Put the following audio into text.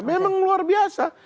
memang luar biasa